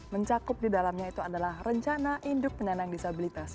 mencakup di dalamnya itu adalah rencana induk penyandang disabilitas